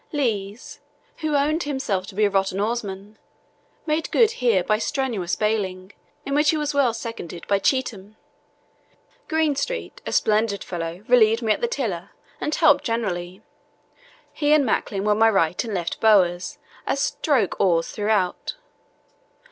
Lees, who owned himself to be a rotten oarsman, made good here by strenuous baling, in which he was well seconded by Cheetham. Greenstreet, a splendid fellow, relieved me at the tiller and helped generally. He and Macklin were my right and left bowers as stroke oars throughout.